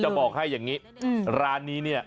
บอกให้อย่างนี้ร้านนี้เนี่ย